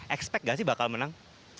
expect gak sih bakal menang